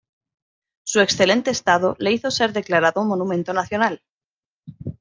Su excelente estado le hizo ser declarado monumento nacional.